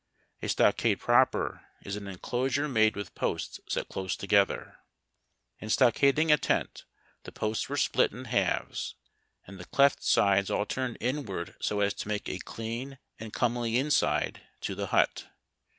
A stockade proper is an enclosure made with posts set close together. In stockading a tent the posts were split in halves, and the cleft sides all turned inward so as to make a clean and comely inside to the hut.